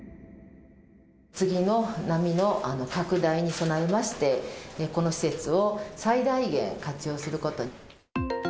次の波の拡大に備えまして、この施設を最大限活用すること。